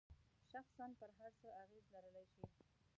شخصاً پر هر څه اغیز لرلای شي.